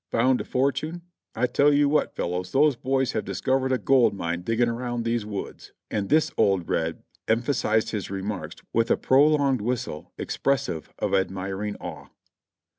"Found a fortune? 1 tell you what, fellows, those boys have discovered a gold mine digging around these woods." x\nd this old Reb emphasized his remarks with a prolonged whistle express ive of admiring awe.